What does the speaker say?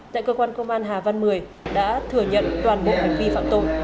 tại cơ quan công an hà văn một mươi đã thừa nhận toàn bộ hành vi phạm tồn